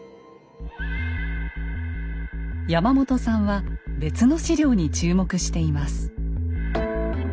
山本さんは別の史料に注目しています。